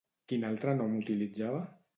Quin altre nom utilitzava?